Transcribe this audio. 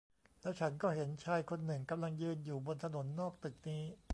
แล้วฉันก็เห็นชายคนหนึ่งกำลังยืนอยู่บนถนนนอกตึกนี้